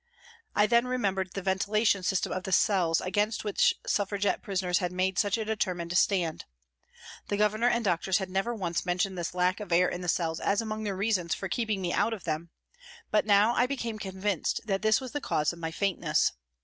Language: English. I then remembered the ventilation system of the cells against which Suffragette prisoners had made such a determined stand. The Governor and doctors had never once mentioned this lack of air in the cells as among their reasons for keeping me out of them, but now I became convinced that this was the cause of my faintness.